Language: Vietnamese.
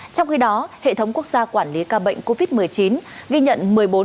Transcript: trong khi đó hệ thống quốc gia quản lý ca bệnh covid một mươi chín ghi nhận một mươi bốn năm trăm linh